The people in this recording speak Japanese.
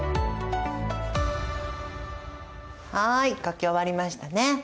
はい書き終わりましたね。